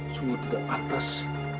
sungguh tidak patas